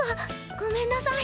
ごめんなさい。